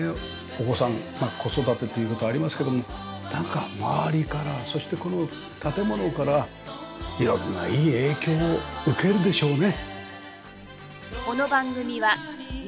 お子さんまあ子育てという事ありますけどもなんか周りからそしてこの建物から色んないい影響を受けるでしょうね。